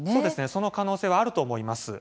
その可能性はあると思います。